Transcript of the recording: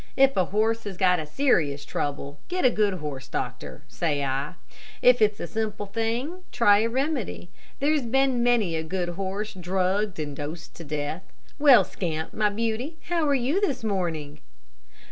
If a horse has got a serious trouble, get a good horse doctor, say I. If it's a simple thing, try a simple remedy. There's been many a good horse drugged and dosed to death. Well, Scamp, my beauty, how are you, this morning?"